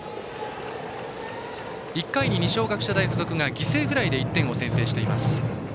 １回に二松学舎大付属が犠牲フライで１点を先制しています。